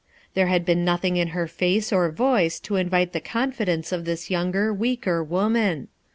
There had been nothing in her face or voice to invite the confidence of this younger, weaker woman.